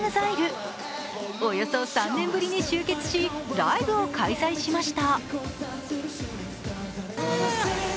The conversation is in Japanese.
およそ３年ぶりに集結しライブを開催しました。